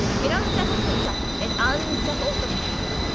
It unsettles them, sir unsettles them!"